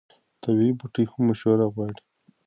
طبیعي بوټي هم مشوره غواړي.